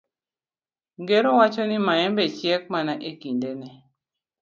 Ngero wacho ni maembe chiek mana e kindene.